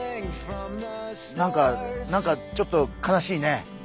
なんかなんかちょっと悲しいね。